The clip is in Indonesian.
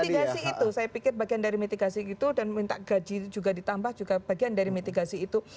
mitigasi itu saya pikir bagian dari mitigasi gitu dan minta gaji juga ditambah juga bagian dari mitigasi itu